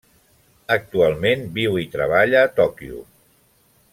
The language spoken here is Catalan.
Actualment, viu i treballa a Tòquio.